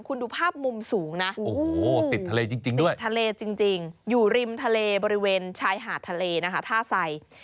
คุณดูภาพมุมสูงนะติดทะเลจริงด้วยอยู่ริมทะเลบริเวณชายหาดทะเลท่าไส